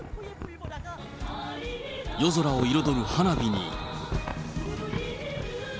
夜空を彩る花火に。